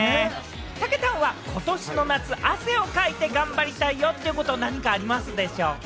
たけたんはことしの夏、汗をかいて頑張りたいこと、何かありますでしょうか？